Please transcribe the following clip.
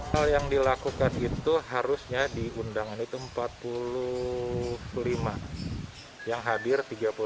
hal yang dilakukan itu harusnya di undangan itu empat puluh lima yang hadir tiga puluh delapan